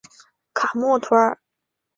卡默图尔。